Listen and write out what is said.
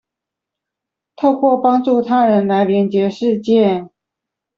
透過幫助他人來連結世界